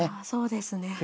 そうですね。